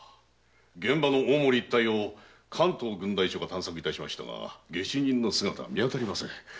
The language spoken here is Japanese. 大森一帯を関東郡代所が探索しましたが下手人の姿は見当たりません。